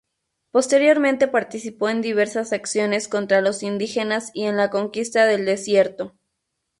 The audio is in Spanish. Posteriormente participó en diversas acciones contra los indígenas y en la Conquista del Desierto.